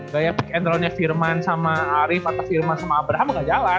gaya pick and draw nya firman sama arif atau firman sama abraham gak jalan